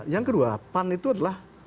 yang kedua pan itu adalah